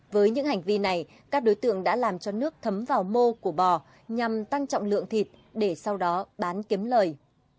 với những hành vi này các đối tượng đã làm cho nước thấm vào mô của bò nhằm tăng trọng lượng thịt để sau đó bán kiếm lời